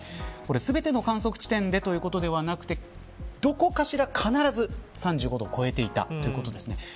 全ての観測地点でということではなくてどこかしら、必ず３５度を超えていたということです。